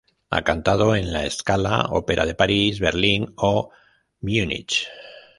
Ha cantado en la Scala, Ópera de París, Berlín o Múnich.